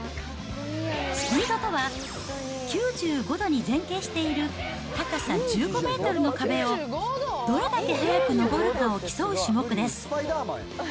スピードとは、９５度に前傾している高さ１５メートルの壁を、どれだけ速く登るかを競う種目です。